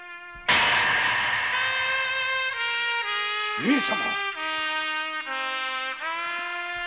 上様！？